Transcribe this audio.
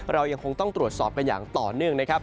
เรายังคงต้องตรวจสอบกันอย่างต่อเนื่องนะครับ